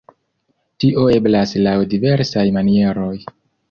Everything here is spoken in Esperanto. Tio eblas laŭ diversaj manieroj.